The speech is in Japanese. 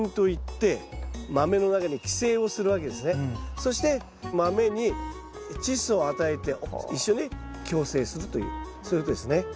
そしてマメにチッ素を与えて一緒に共生するというそういうことですね。